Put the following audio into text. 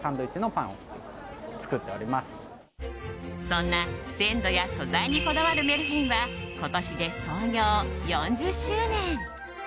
そんな鮮度や素材にこだわるメルヘンは今年で創業４０周年。